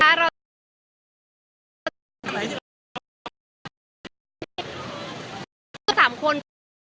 อันหนึ่งเจียวนี้ค่ะจุดบ้าร้อยสามคน